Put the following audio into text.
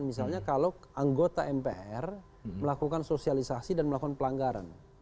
misalnya kalau anggota mpr melakukan sosialisasi dan melakukan pelanggaran